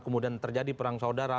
kemudian terjadi perang saudara